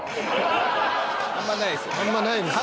あんまないですよね。